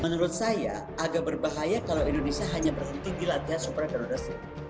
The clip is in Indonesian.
menurut saya agak berbahaya kalau indonesia hanya berhenti di latihan supraterogasi